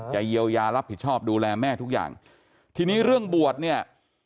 เยียวยารับผิดชอบดูแลแม่ทุกอย่างทีนี้เรื่องบวชเนี่ย